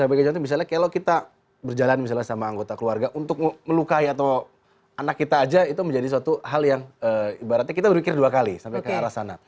sebagai jantung misalnya kalau kita berjalan misalnya sama anggota keluarga untuk melukai atau anak kita aja itu menjadi suatu hal yang ibaratnya kita berpikir dua kali sampai ke arah sana